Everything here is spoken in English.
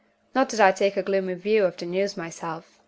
Not that I take a gloomy view of the news myself.